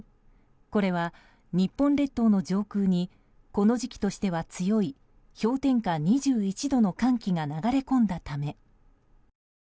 これは日本列島の上空にこの時期としては強い氷点下２１度の寒気が流れ込んだため。